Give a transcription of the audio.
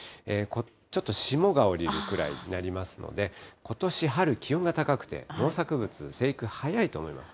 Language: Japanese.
ちょっと霜が降りるくらいになりますので、ことし春、気温が高くて農作物、生育早いと思います。